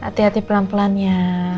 hati hati pelan pelan ya